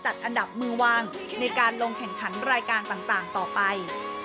อันดับมือวางในการลงแข่งขันรายการต่างต่อไป